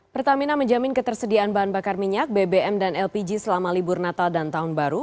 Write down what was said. pertamina menjamin ketersediaan bahan bakar minyak bbm dan lpg selama libur natal dan tahun baru